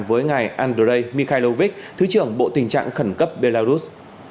với ngài andrei mikhailovich thứ trưởng bộ tình trạng khẩn cấp belarus